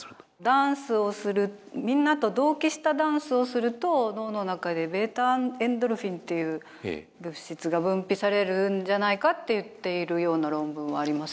ダンスをするみんなと同期したダンスをすると脳の中でβエンドルフィンっていう物質が分泌されるんじゃないかっていっているような論文はありますね。